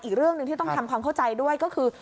อีกเรื่องหนึ่งที่ต้องทำความเข้าใจด้วยก็คือ